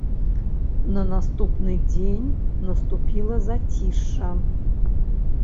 На наступны дзень наступіла зацішша.